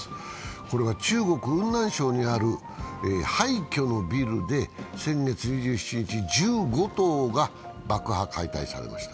これは中国・雲南省にある廃虚のビルで先月２７日、１５棟が爆破・解体されました。